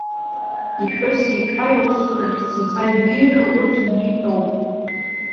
Иԥҳәыси иԥҳаи аусурахь заҵа имнеира, урҭ аҩны итәоуп.